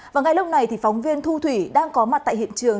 và ngay lúc này thì phóng viên thu thủy đang có mặt tại hiện trường